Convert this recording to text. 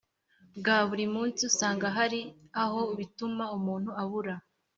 bwa buri munsi, usanga hari aho bituma umuntu abura